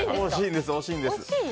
でも惜しいんです。